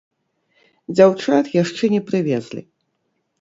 Дзяўчат яшчэ не прывезлі.